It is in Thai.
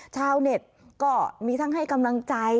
ชาวเน็ตก็มีทั้งให้กำลังใจ